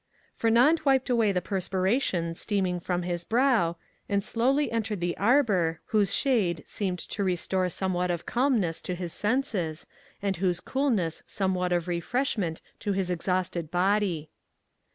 Fernand wiped away the perspiration steaming from his brow, and slowly entered the arbor, whose shade seemed to restore somewhat of calmness to his senses, and whose coolness somewhat of refreshment to his exhausted body.